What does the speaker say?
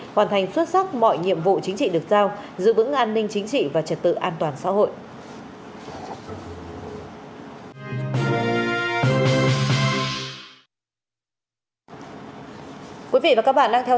hoàn thành xuất sắc mọi nhiệm vụ chính trị được giao